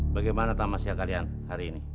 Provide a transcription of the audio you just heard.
bagaimana tamasnya kalian hari ini